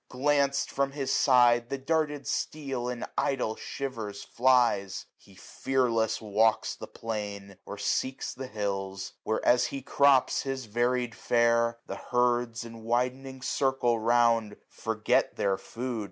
Glanc'd from his side, 710 The darted steel in idle shivers flies : He fearless walks the plain, or seeks the hills ; Where, as he crops his varied fare, the herds. In widening circle round, forget their food.